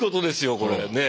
これねえ。